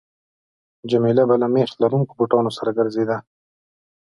جميله به له میخ لرونکو بوټانو سره ګرځېده.